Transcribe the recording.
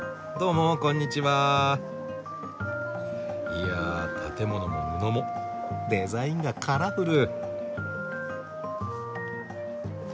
いやあ建物も布もデザインがカラフル。